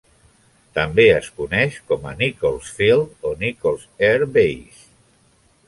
També es coneix com a Nichols Field o Nichols Air Base.